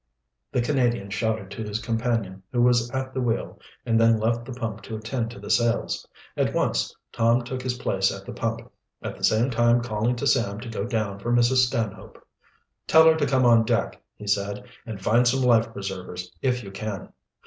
The Canadian shouted to his companion, who was at the wheel, and then left the pump to attend to the sails. At once Tom took his place at the pump, at the same time calling to Sam to go down for Mrs. Stanhope. "Tell her to come on deck," he said. "And find some life preservers, if you can."